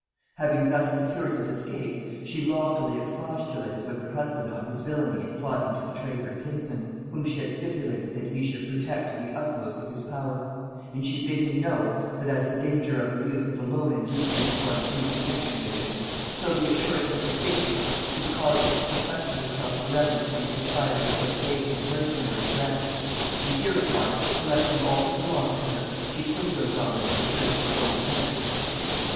Having thus secured his escape, she loftily expostulated with her husband on his villainy in plotting to betray her kinsman, whom she had stipulated that he should protect to the utmost of his power; and she bid him know, that as the danger of the youth had alone induced her to form any connection with him, so the assurance of his safety should cause her to sequester herself for ever from the society of so base and mercenary a wretch: and hereupon, collecting all that belonged to her, she quitted O'Donnel and returned to her own country.